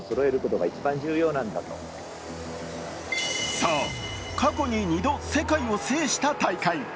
そう、過去に２度、世界を制した大会。